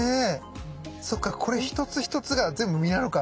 そっかこれ一つ一つが全部実なのか。